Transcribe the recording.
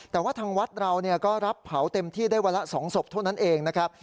แต่ว่าทางวัดเราก็รับเผาเต็มที่ได้วันละ๒ศพเท่านั้นเองนะครับ